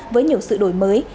với nhiều sự đổi mới